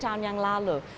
tujuh puluh tahun yang lalu